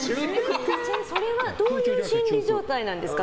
それはどういう心理状態ですか。